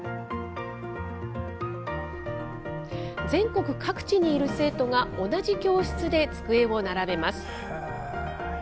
全国各地にいる生徒が同じ教室で机を並べます。